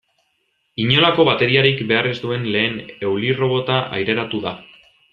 Inolako bateriarik behar ez duen lehen eulirrobota aireratu da.